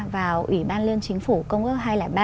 vào ủy ban liên chính phủ công ước